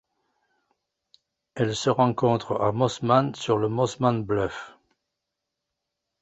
Elle se rencontre à Mossman sur le Mossman Bluff.